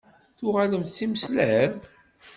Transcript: Tuɣalemt d timeslab?